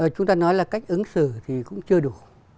chúng ta nói là cách ứng xử thì cũng chưa đủ